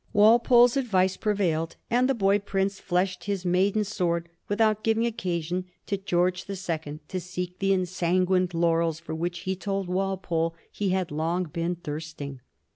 Walpole's advice pre vailed, and the boy prince fleshed his maiden sword with out giving occasion to George the Second to seek the en sanguined laurels for which he told Walpole he had long been thirsting.